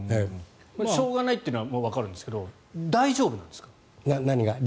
しょうがないってのはわかるんですけど大丈夫なんですか？